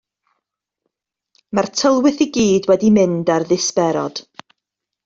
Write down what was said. Mae'r tylwyth i gyd wedi mynd ar ddisberod.